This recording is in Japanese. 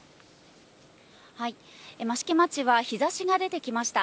益城町は日ざしが出てきました。